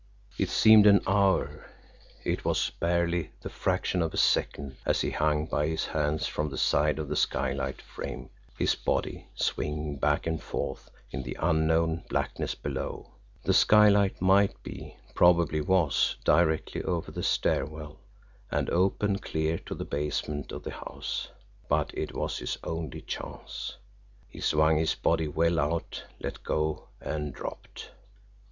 It seemed an hour it was barely the fraction of a second, as he hung by his hands from the side of the skylight frame, his body swinging back and forth in the unknown blackness below. The skylight might be, probably was, directly over the stair well, and open clear to the basement of the house but it was his only chance. He swung his body well out, let go and dropped.